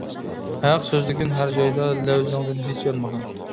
ھەق سۆزلىگىن ھەر جايدا، لەۋزىڭدىن ھېچ يانمىغىن.